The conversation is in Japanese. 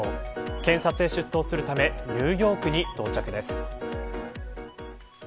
検察へ出頭するためニューヨークに到着です。